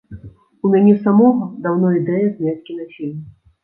У мяне самога даўно ідэя зняць кінафільм.